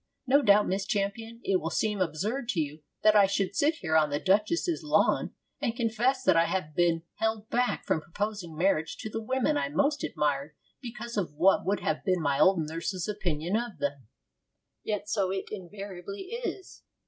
'No doubt, Miss Champion, it will seem absurd to you that I should sit here on the duchess's lawn and confess that I have been held back from proposing marriage to the women I most admired because of what would have been my old nurse's opinion of them.' Yet so it invariably is.